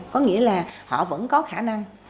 có nghĩa là họ vẫn có khả năng